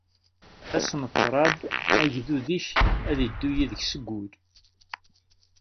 Ass n ṭṭrad, agdud-ik ad iddu yid-k seg wul.